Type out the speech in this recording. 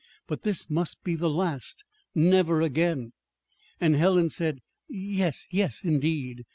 But this must be the last. Never again! And Helen said yes, yes, indeed.